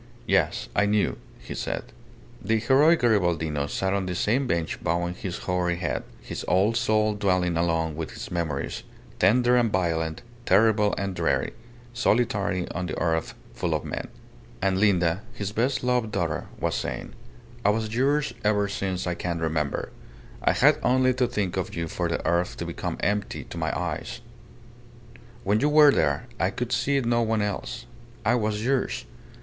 "Yes. I knew," he said. The heroic Garibaldino sat on the same bench bowing his hoary head, his old soul dwelling alone with its memories, tender and violent, terrible and dreary solitary on the earth full of men. And Linda, his best loved daughter, was saying, "I was yours ever since I can remember. I had only to think of you for the earth to become empty to my eyes. When you were there, I could see no one else. I was yours.